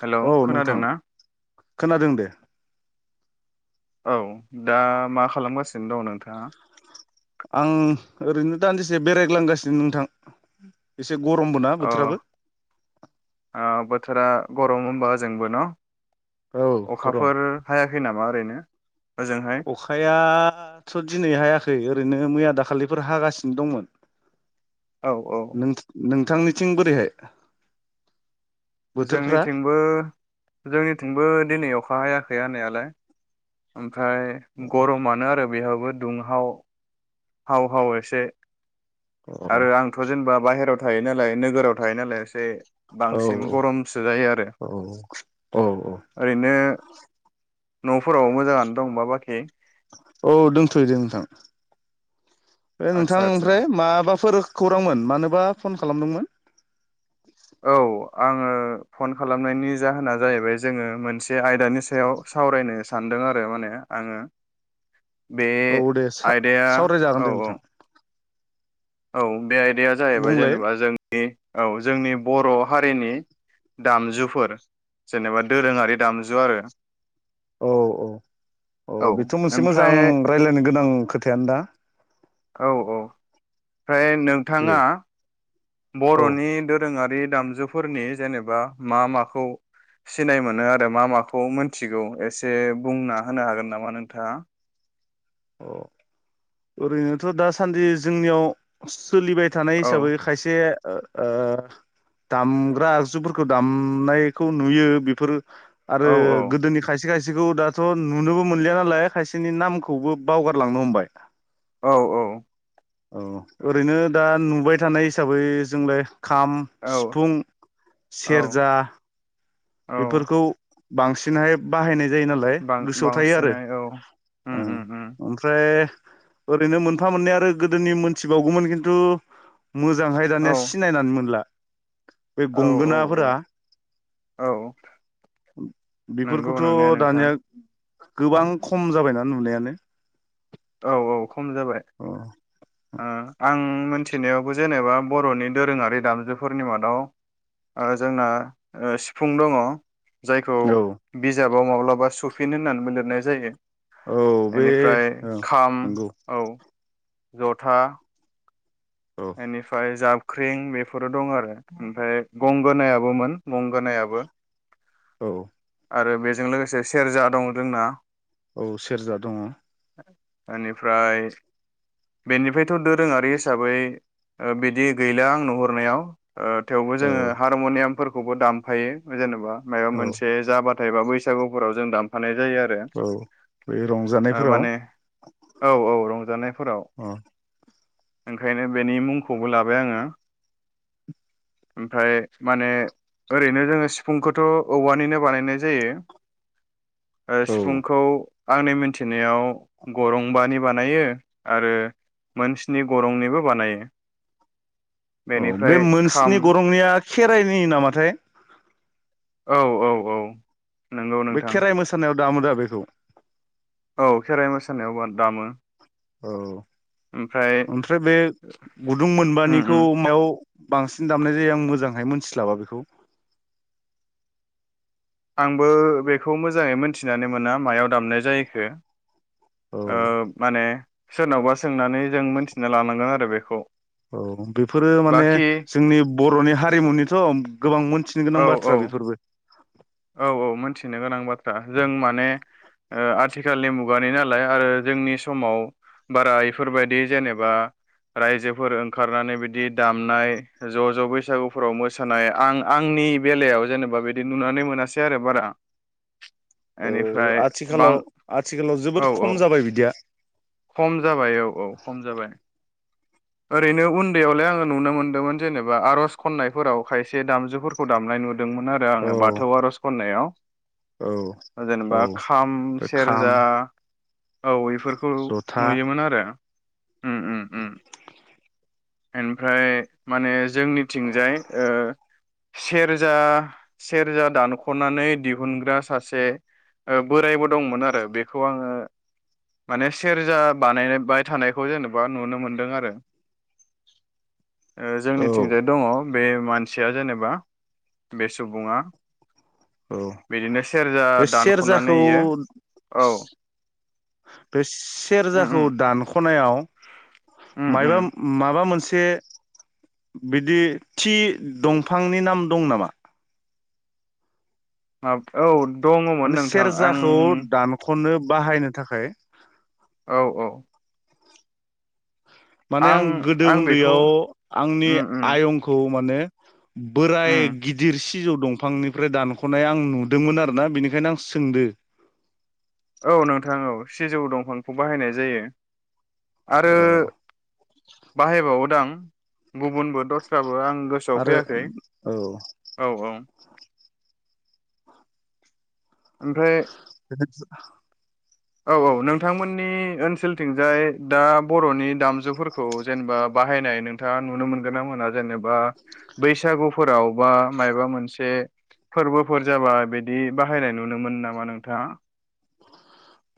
Hello औ नोंथां खोनादों ना? खोनादों दे। औ दा मा खालामगासिनो दं नोंथाङा? आं ओरैनो दान्दिसे बेरायग्लांगासिनो नोंथां इस एसे गरमबो ना अ बोथोराबो। थोरा गरम होनबा ओजोंबो न'? औ गरम अखाफोर हायाखै? खै नामा ओरैनो? ओजोंहाय? अखायाथ दिनै हायाखै ओरै नो मैया दाखालिफोर हागासिनो दंमोन। औ औ नोंथ नों थांनिथिं बोरैहाय? बोथोरफ्रा जोंनिथिंबो जोंनिथिंबो दिनै अखा हायाख खै हानायालाय। ओम फ्राय गरमानो आरो। बेहावबो दुंहाव। हाव हाव एसे औ आरो आंथ जेनेबा बाहेराव थाय नालाय नोगोराव थायो नालाय एसे। औ बांसिन गरमसो जायो आरो औ औ ओरैनो नफोराव मोजाङानो दंबा बाखि? औ दोंथयै दे नोंथां। बे आदसा नोंथां आदसा ओमफ्राय माबाफोर खौरांमोन मानोबा? फन खालामदोंमोन? औ आङो फन खालामनायनि जाहोना जाहैबाय जोङो मोनस से आयदानि सायाव सावरायनो स सानदों आरो माने आङो बे औ दे आयदाया सावरायजागोन दे औ नोंथां औ औ बे आयदाया जाहैबाय बुंलाय जेनेबा जों नि औ जोंनि बर हारिनि दामजुफोर जेनेबा दोरोङारि दामजु आरो औ औ औ बेथ मोनसे मोजां रायजलायनो गोनां खोथायानो दा औ औ ओमफ्राय दे नोंथाङा औ बरनि दोरोङा रि दामजुफोरनि जेनेबा मा माखौ सिनाय मोनो आरो मा माखौ मोनथिगौ एसे बुंना होनो हागोन नामा नोंथाङा? अ ओरैनोथ' दासान्दि जोंनियाव सोलिबाय थानाय औ हिसाबै खायसे ओ ओ दामग्रा आगजुफोरखौ दामनायखौ नुयो बेफोरो औ आरो गोदोनि खाय से खायसेखौ दाथ' नुनोबो मोनलिया नालाय खायसेनि नाम खौबो बावगारलांनो हमबाय। औ औ। औ ओरैनो दा नुबाय थानाय हिसाबै जोंलाय खाम, औ औ सिफुं, औ सेरजा औ बेफोरखौ बांसिनहाय बाहायनाय जायो नालाय गोसोआव थायो आरो। बां-बांसिनै औ उम ओमफ्राय ओरैनो मोनफा मोननै आरो गोदोनि मोनथिबावगौमोन खिन्थु मोजांहाय औ दानिया सिनायनानै मोनला। बे औ औ औ गंगोनाफोरा औ नंगौ नंनाया बेफोरखौथ' नोंथां दानिया गोबां खम जाबायना नुनायानो। औ औ खम जाबाय। अ ओ आं मोन्थिनायावबो जेनेबा बर'नि दोरोङारि दामजुफोरनि मादाव ओ जोंना ओ सिफुं दङ'। जायखौ औ बिजाब मा माब्लाबा सुफिन होननानै लिरनाय जायो। औ बे बेनिफ्राय ओं खाम औ। जथा औ एनिफ्राफाय जाब ख्रिं बेफोरो दं आरो ओमफ्राय गंगोनायाबोमोन गंगोनायाबो। औ। आरो बेजों लोगोसे सेरजा दं जोंना। औ सेरजा दङ'। बेनिफ्राय बेनिफ्रायथ' दोरोङारि हिसाबै बिदि गैला आं नुहुरनायाव। ओ थेवबो जोङो हारमनियाम खौबो दामफायो जेन'बा। मायबा औ मोनसे जाबाथाय बाबो बैसागुफोराव जों दामफानाय जायो आरो औ बे ओ रंजानायफोराव माने औ औ रंजानायफोराव अ ओंखायनो बेनि मुंखौबो लाबाय आङो ओमफ्राय माने ओरै नोजोङो सिफुंखौथ' औवानिनो बानायनाय जायो। ओ औ सिफुंखौ आंनि मिन्थिनायाव गरंबानि बानायो आरो मोनस्नि गरंनिबो बानायो। औ बेनिफ्राय बे खाम मोनस्नि गरंनिया खेराइनि नामाथाय औ औ औ नंगौ बै नोंथां खेराइ मोसानायाव दामो दा बेखौ औ खेराइ मोसानायावबो दामो। औ ओमफ्राय बे गुदुं उम मोनबानिखौ उम मायाव? बांसिन दामनाय जायो आं मोजांहाय मोन्थिस्लाबा बेखौ । आंबो बेखौ मोजाङै मोनथिनानै मोना मायाव दामनाय जायोखो ओ औ माने सोरनावबा सोंनानै जों मोनथिना लानांगोन आरो बेखौ औ बेफोरो माने बाखि जोंनि बर'नि हारिमुनिथ' गोबां मोन्थ थिनो गोनां औ औ बाथ्रा बेफोरबो [inaudible] औ औ मोनथिनो गोनां बाथ हा जों माने ओ आथिखालनि मुगानि नालाय आरो जोंनि समाव बारा इफोरबायदि जेनेबा रायजोफोर ओंखारनानै बिदि दामनाय ज' ज' बैसागुफोराव मोसानाय आं आंनि बेलायाव जेनेबा बेदि नुनानै मोनासै आरो बारा औ बेनिफ्राय बां आथिखालाव आथिखालाव औ जोबोद औ खम जाबाय बिदिया। खम जाबाय औ औ खम जाबाय। ओरैनो उन्दैयावलाय आङो नुनो मोनदोमोन जेनेबा आरज खननायफोराव खायसे दामजुफोरखौ दामनाय नु दोंमोन आरो औ आङो बाथौ आरज खन्नायाव औ ओ औ जेनेबा खाम बे खाम सेरजा औ इफोरखौ जथा नुयोमोन आरो ओनफ्राय माने जोंनिथिंजाय ओ सेरजा सेरजा दानख'नानै दिहुनग्रा सासे ओ बोरायबो दंमोन आरो बेखौ आङो माने सेरजा बानाय बाय थानायखौ जेनेबा नुनो मोनदों आरो ओ औ जोंनिथिंजाय दङ। बे मानसिया जेनेबा बे सुबुङा। औ बिदिनो सेरजा बे दानख'नानै सेरजाखौ इयो औ बे उम सेरजाखौ उम दानख'नायाव उम उम माइबा मा माबा मोनसे बिदि थि दंफांनि नाम दं नामा। मां [inaudible] औ दङमोन माने नोंथां आं सेरजाखौ दानख'नो। बाहायनो थाखाय औ औ। माने आं गोदो आं बेखौ उन्दैयाव आंनि उम उम आयंखौ माने बोराय उम गिदिर सिजौ दंफांनिफ्राय दानख'नाय आं नुदोमोन आरोना बेनिखायनो आं सोंदो। औ नोंथां औ सिजौ दंफांखौ बाहायनाय जायो। आरो अ बाहायबावोदां। [inaudible] गुबुनबो दस्राबो आं गोसोआव आरो फैयाखै औ औ औ। ओमफ्राय। [inaudible] औ औ नोंथांमोननि ओनसोलथिंजाय दा बर'नि दामजुफोरखौ जेनेबा बाहायनाय नोंथाङा नुनो मोनगोन ना मोना जेने बा बैसागुफोराव बा मायबा मोनसे फोरबोफोर जाबा बिदि बाहायनाय नुनो मोनो नामा नोंथाङा।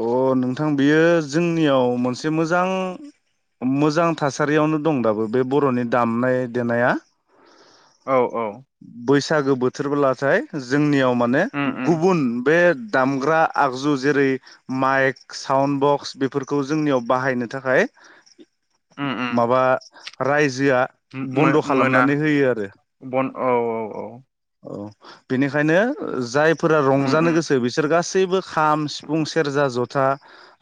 अ नोंथां बियो जोंनियाव मोनसे मोजां मोजां थासारियावनो दं दाबो बे बर'नि दामनाय देनाया। औ औ। बैसागो बोथोरबोलाथाय जोंनियाव माने उम उम गुबुन बे दामग्रा आगजु जेरै माइक साउन्ड बक्स बेफोरखौ जोंनियाव बाहायनो थाखाय उम उम माबा राइ जोया बन्द' मो-मोना खालामनानै होयो आरो। बन औ औ औ। औ बेनिखायनो जायफोरा उम रंजानो उम गोसो बिसोर गासैबो खाम सिफुं सेरजा जथा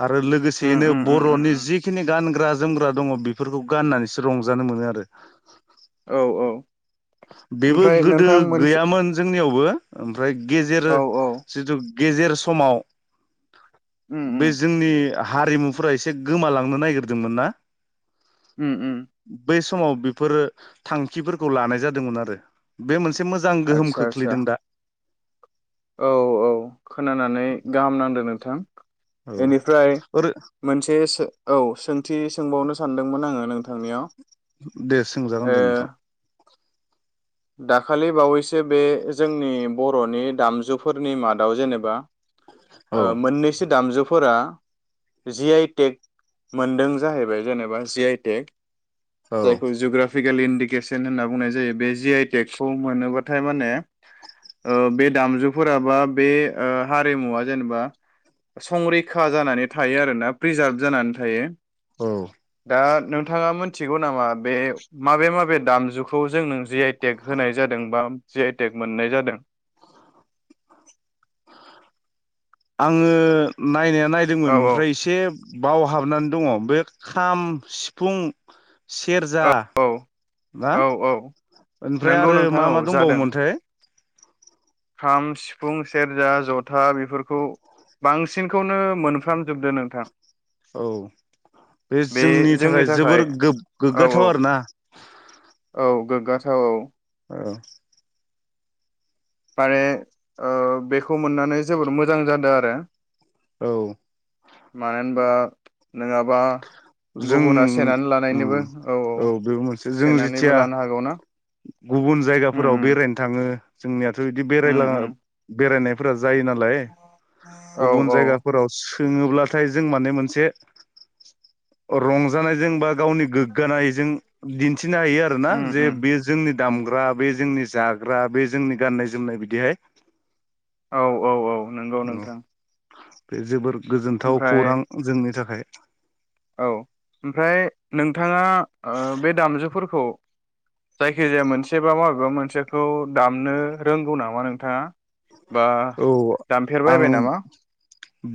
आरो उम लोगोसेयैनो उम उम उम बरनि जिखिनि गानग्रा जोमग्रा दङ बेफोरखौ गाननानैसो रंजानो मोनो आरो। औ औ। बेबो ओमफ्राय गोदो नोंथां मोनसे गैयामोन जोंनियावबो [inaudible] ओमफ्राय गेजेर औ औ जिथु गेजेर समाव। उम उम बे जोंनि हारिमुफोरा एसे गोमालांनो नागिरदोंमोन ना ओम ओम। बै समाव बेफोरो थांखिफोरखौ लानाय जाद दोंमोन आरो बे मोनसे से मोजां गोहोम आदसा आदसा खोख्लैदों दा औ औ खोनानानै गाहाम नांदों नोंथां औ बेनिफ्राय ओरै मोनसे औ सोंथि सोंबावनो सा सानदोंमोन आङो नोंथांनियाव दे ओ सोंजागोन दे नोंथां दाखालि बावैसो बे जोंनि बर'नि दामजुफोरनि मादाव जेनेबा औ मोननैसो दामजु फोर जिआइटेक मोनदों जाहैबाय जेनेबा जिआइटेक औ जायखौ जग्राफिकेल इन दिकेसन होनना बुंनाय जायो बे जि आइ तेकखौ मोनोबाथाय माने बे दामजुफोरा बा बे हारिमुवा जेनेबा संरैखा जानानै थायो आरोना प्रिजार्भ जानानै थायो। औ दा नोंथाङा मिथिगौ नामा बे माबे माबे दामजुखौ जों जिआइ टेक होनाय जादों बा जिआइटेक मोननाय जादों आङो नायनाया औ नायदोंमोन औ ओमफ्राय एसे बावहाबनानै दङ बे खाम सिफुं सेरजा औ ना औ औ ओमफ्राय नंगौ आरो नोंथां मा औ मा जादों दंबावोमोनथाय खाम सिफुं सेरजा जथा बेफोरखौ बांसिनखौनो मोनफ्रामजोबदो नोंथां। औ बे जोंनि थाखाय जोबोर औ गोब-गोग्गाथाव औ आरो ना। औ गोग्गाथाव औ औ माने ओ बेखौ मोननानै जोबोर मोजां जादों आरो औ मानो होनबा नोङाबा जों उम औ बेबो मोनसे जों सेनानैबो जेथिया लानो हागौना गुबुन उम जायगाफोराव उम बेरायनो थाङो जोंनियाथ बिदि उम बेरायला उम बेरायनायफोरा जायो नालाय औ गुबुन औ जायगाफोराव सोङोब्लाथाय जों माने मोनसे रंजानायजों बा गावनि गोग्गानायजों दिन्थिनो हायो आरो ना उम जे उम बे जोंनि दामग्रा बे जोंनि जाग्रा बे जोंनि गाननाय जोमनाय बिदिहाय औ औ औ नंगौ औ नोंथां बे जोबोर गोजोनथाव ओमफ्राय खौरां जोंनि थाखाय। औ ओमफ्राय नोंथाङा ओ बे दामजु फोरखौ जायखि जाया मोनसे बा माबेबा मोनसेखौ दामनो रोंगौ नामा नोंथाङा बा औ आं दामफेरबायबाय नामा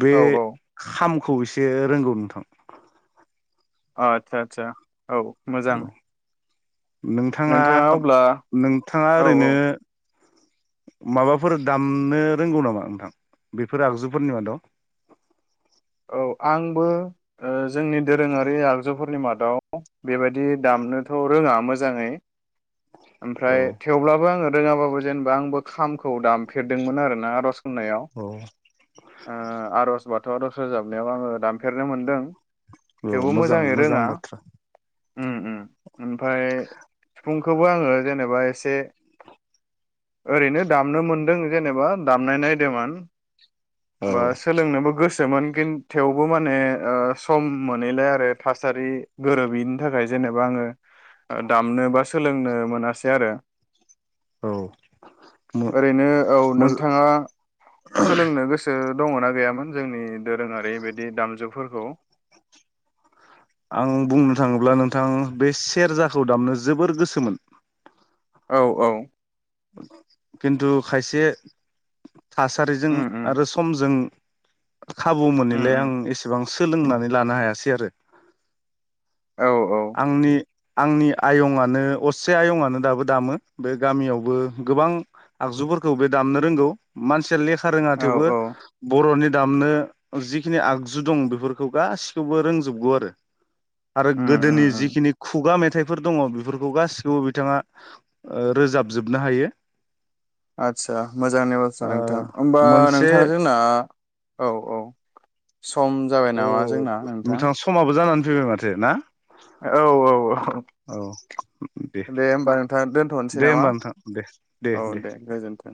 बे औ औ खाम खौ एसे रोंगौ नोंथां आतसा आतसा औ मोजां नोंथाङा नोंथाङा औ औ ओरैनो माबाफोर दामनो रोंगौ नामा नोंथां बेफोर आगजुफोरनि मादाव औ आंबो ओ जोंनि दोरोङारि आगजुफोरनि मादाव बेबायदि दामनोथ रोङा मोजाङै औ ओमफ्राय थेवब्लाबो आङो रोङाबाबो जेनेबा आंबो खामखौ दामफेरदोंमोन आरो ना आरज खननायाव औ ओ आरज बाथौ आरज रोजाबनायाव आङो दामफेरनो मोन्दों औ मोजां मोजां बाथ्रा ओमफाय सिफुं खौबो आङो जेनेबा एसे ओरैनो दामनो मोनदों जेनेबा दामनाय नायदोंमोन बा औ सोलोंनोबो गोसो सोमोन खि थेवबो माने ओ सम मोनैलाय आरो थासारि गोरोबैनि थाखाय जेनेबा आङो दामनो बा सोलोंनो मोनासै आरो औ ओरैनो औ नोंथाङा सोलोंनो गोसो दङना गैयामोन जोंनि दोरोङारि बिदि दामजु फोरखौ आं बुंनो थाङोब्ला नोंथां बे सेरजाखौ दामनो जोबोर गोसोमोन औ औ खिन्थु खायसे थासारिजों उम उम आरो समजों खाबु उम मोनैलाय उम आं एसेबां सोलोंनानै लानो हायासै आरो औ औ आंनि आंनि आयंआनो असे आयंआनो दाबो दामो बे गामियावबो गोबां आगजुफोरखौ बे दामनो रोंगौ मानसिया लेखा खा रोङा औ थेवबो औ बर'नि दामनो जिखिनि आगजु दं बेफोरखौ गासिखौबो रोंजोबगौ आरो आरो उम उम गोदोनि उम जिखिनि खुगा मेथाइ फोर दङ बेफोरखौ गासिखौबो बिथाङा ओ रोजाबजोबनो हायो आदसा मोजांनि बाथ्रा ओ नोंथां होमबा मोनसे नोंथां जोंना औ औ सम जाबाय औ नामा जोंना नोंथां समाबो जानानै फैबाय माथो ना औ औ औ दे होमबा नोंथां दोनथ'नोसै दे नामा होमबा नोंथां दे दे औ दे दे गोजोन्थों।